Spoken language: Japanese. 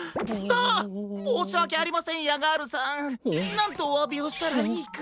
なんとおわびをしたらいいか。